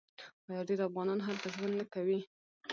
آیا ډیر افغانان هلته ژوند نه کوي؟